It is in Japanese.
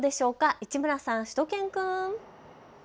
市村さん、しゅと犬くん。